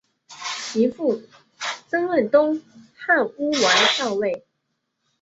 其父曾任东汉乌丸校尉。